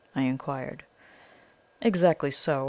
I inquired. "'Exactly so.